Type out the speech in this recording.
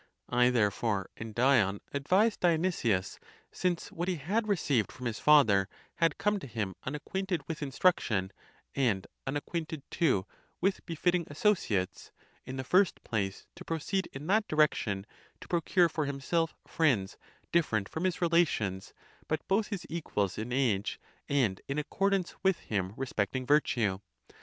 I therefore and Dion advised Dionysius, since what he had received from his father had come to him un acquainted with instruction, and unacquainted too with befit ting associates, in the first place to proceed in that direction, to procure for himself friends, different from his relations, but both his equals in age and in accordance with him respect ing virtue.